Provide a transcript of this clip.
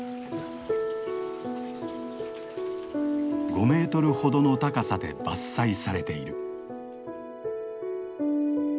５メートルほどの高さで伐採されている。